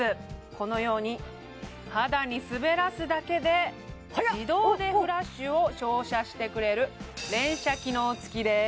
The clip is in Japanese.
このように肌に滑らすだけで自動でフラッシュを照射してくれる連射機能付きです